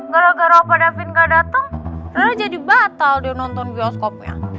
gara gara opa davin gak dateng rara jadi batal deh nonton bioskopnya